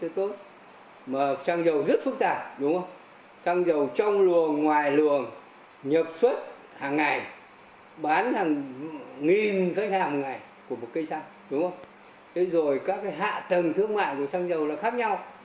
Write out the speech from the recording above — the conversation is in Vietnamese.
trường thương mại của xăng dầu là khác nhau